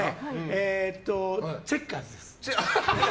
えっと、チェッカーズです。